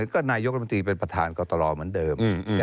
ก็นายกรัฐมนตรีเป็นประธานกรตรอเหมือนเดิม